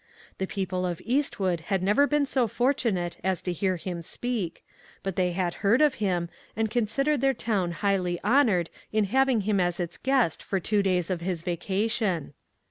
The people of Eastwood had never been so fortunate as to hear him speak, but they had heard of him, and considered their town highly honored in having him as its guest for two days of his vacation.